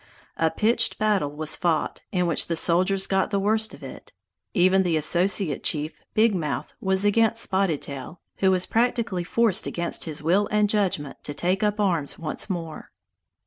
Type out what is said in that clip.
A pitched battle was fought, in which the soldiers got the worst of it. Even the associate chief, Big Mouth, was against Spotted Tail, who was practically forced against his will and judgment to take up arms once more.